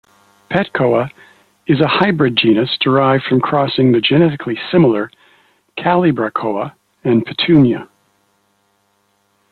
"Petchoa" is a hybrid genus derived from crossing the genetically similar Calibrachoa and Petunia.